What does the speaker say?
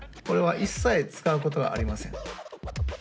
これは一切使うことはありません。